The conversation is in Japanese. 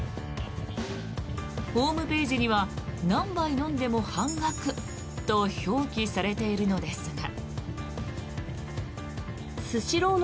ホームページには何杯飲んでも半額と表記されているのですが。